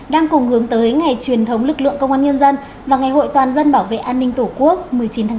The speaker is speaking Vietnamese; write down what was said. đang cùng hướng tới ngày truyền thống lực lượng công an nhân dân và ngày hội toàn dân bảo vệ an ninh tổ quốc một mươi chín tháng bốn